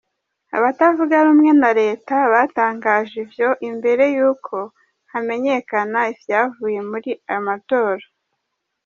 Abatavuga rumwe na reta batangaje ivyo imbere y'uko hamenyekana ivyavuye muri ayo matora.